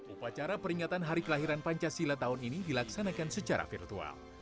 upacara peringatan hari kelahiran pancasila tahun ini dilaksanakan secara virtual